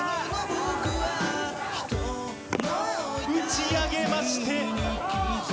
打ち上げまして。